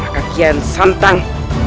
maka kian santang